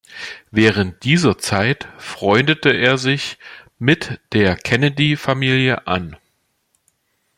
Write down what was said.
Während dieser Zeit freundete er sich mit der Kennedy-Familie an.